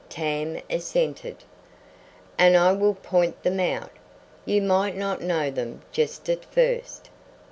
Tam assented. "And I will point them out. You might not know them just at first."